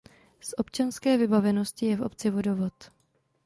Z občanské vybavenosti je v obci vodovod.